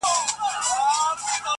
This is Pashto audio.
زه چي وګورمه تاته عجیبه سم,